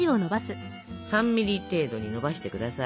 ３ミリ程度にのばして下さい。